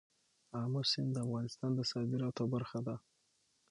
آمو سیند د افغانستان د صادراتو برخه ده.